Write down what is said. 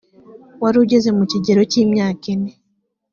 wari ugeze mu kigero cy imyaka ine